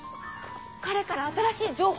彼から新しい情報です。